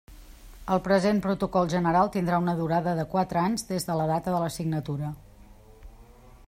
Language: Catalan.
El present protocol general tindrà una durada de quatre anys des de la data de la signatura.